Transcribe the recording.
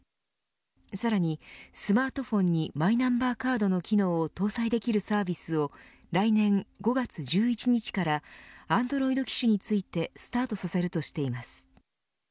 さらに、スマートフォンにマイナンバーカードの機能を搭載できるサービスを来年５月１１日からアンドロイド機種についてスタートさせるとしています。